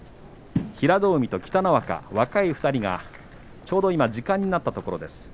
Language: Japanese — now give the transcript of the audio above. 平戸海、北の若若い２人がちょうど今時間になったところです。